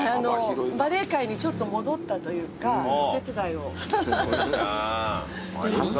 バレー界にちょっと戻ったというかお手伝いを。